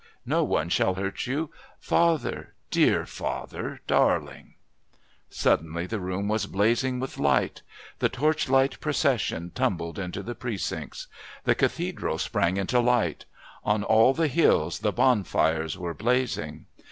No one shall hurt you. Father dear, father darling." Suddenly the room was blazing with light. The Torchlight Procession tumbled into the Precincts. The Cathedral sprang into light; on all the hills the bonfires were blazing.